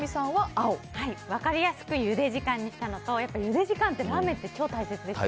分かりやすくゆで時間にしたのとゆで時間ってラーメンは大切です。